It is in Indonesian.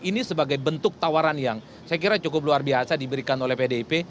ini sebagai bentuk tawaran yang saya kira cukup luar biasa diberikan oleh pdip